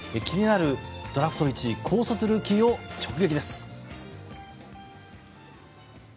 気になるドラフト１位高卒ルーキーを直撃です。